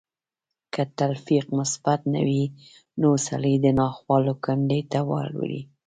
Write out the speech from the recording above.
که تلقين مثبت نه وي نو سړی د ناخوالو کندې ته وړي.